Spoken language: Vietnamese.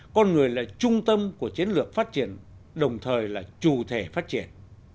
con người là trung tâm của chiến lược phát triển đồng thời là chủ thể phát triển